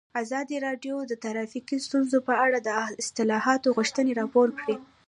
ازادي راډیو د ټرافیکي ستونزې په اړه د اصلاحاتو غوښتنې راپور کړې.